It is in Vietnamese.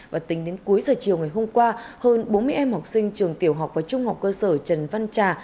và tính đến cuối giờ chiều ngày hôm qua hơn bốn mươi em học sinh trường tiểu học và trung học cơ sở trần văn trà